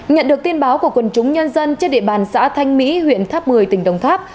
nhận được tin báo của quần chúng nhân dân trên địa bàn xã thanh mỹ huyện tháp một mươi tỉnh đồng tháp